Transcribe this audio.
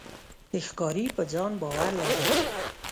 ښکاري په ځان باور لري.